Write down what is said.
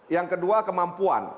yang kedua kemampuan